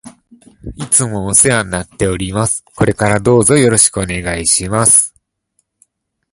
いつもお世話になっております。これからどうぞよろしくお願いします。